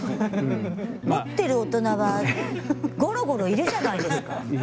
持ってる大人はごろごろいるじゃないですか。